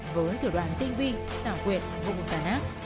với thử đoán tinh vi xảo quyền vụn tàn ác